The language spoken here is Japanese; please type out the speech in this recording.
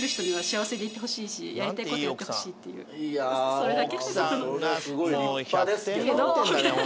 それだけ。